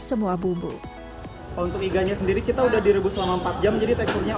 semua bumbu untuk iganya sendiri kita udah direbus selama empat jam jadi teksturnya